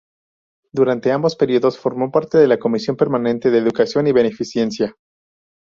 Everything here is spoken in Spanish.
Durante ambos períodos formó parte de la comisión permanente de Educación y Beneficencia.